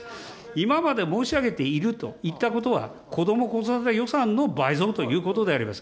今まで申し上げているといったことは、こども・子育て予算の倍増ということであります。